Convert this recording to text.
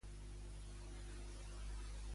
Què li confessa, Francisca, a Poveda?